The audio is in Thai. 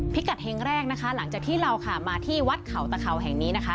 พิกัดเฮงแรกนะคะหลังจากที่เราค่ะมาที่วัดเขาตะเขาแห่งนี้นะคะ